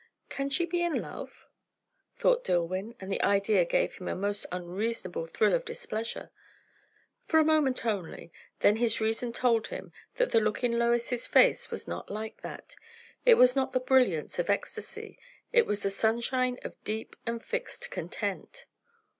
Can she be in love? thought Dillwyn; and the idea gave him a most unreasonable thrill of displeasure. For a moment only; then his reason told him that the look in Lois's face was not like that. It was not the brilliance of ecstasy; it was the sunshine of deep and fixed content.